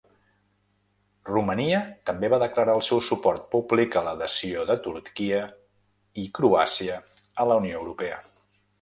Romania també va declarar el seu suport públic a l'adhesió de Turquia i Croàcia a la Unió Europea.